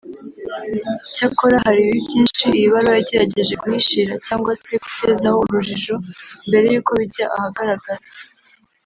Cyakora hari ibibi byinshi iyi baruwa yagerageje guhishira cyangwa se kutezaho urujijo mbere y’uko bijya ahagaragara